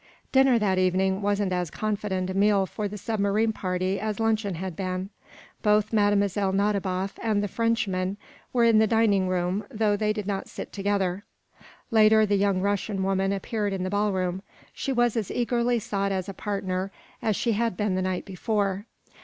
Dinner, that evening, wasn't as confident a meal for the submarine party as luncheon had been. Both Mlle. Nadiboff and the Frenchman were in the dining room, though they did not sit together. Later, the young Russian woman appeared in the ballroom. She was as eagerly sought as a partner as she had been the night before.